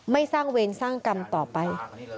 สร้างเวรสร้างกรรมต่อไป